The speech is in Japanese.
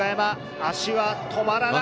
足は止まらない。